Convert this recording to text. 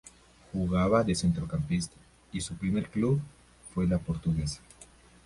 Jugaba de centrocampista y su primer club fue La Portuguesa.